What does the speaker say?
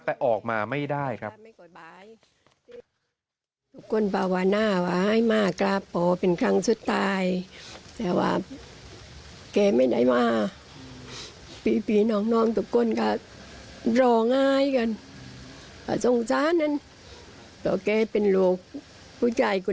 แต่ออกมาไม่ได้ครับ